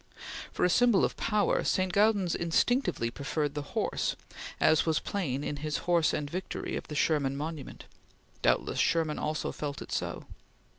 For a symbol of power, St. Gaudens instinctively preferred the horse, as was plain in his horse and Victory of the Sherman monument. Doubtless Sherman also felt it so.